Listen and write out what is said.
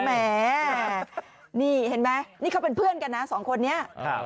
แหมนี่เห็นไหมนี่เขาเป็นเพื่อนกันนะสองคนนี้